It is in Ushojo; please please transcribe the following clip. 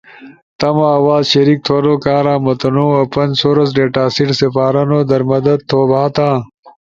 تمو آواز شریک تھونو کارا متنوع اوپن سورس ڈیٹاسیٹ سپارونو در مدد تھو بھاتا۔